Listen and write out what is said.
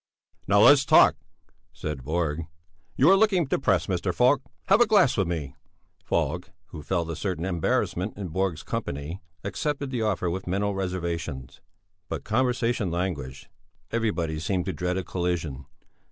"Now, let's talk," said Borg. "You are looking depressed, Mr. Falk; have a glass with me." Falk, who felt a certain embarrassment in Borg's company, accepted the offer with mental reservations. But conversation languished, everybody seemed to dread a collision.